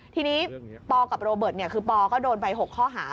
ทีนี้ปกับโรเบิร์ตคือปอก็โดนไป๖ข้อหา